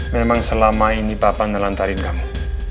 memang selama ini papa ngelantarin kamu